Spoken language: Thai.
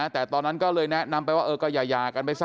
แต่ตอนนั้นก็เลยแนะนำไปว่าก็อย่ากันไปซะ